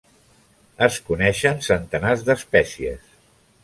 Es coneixen centenars d'espècies.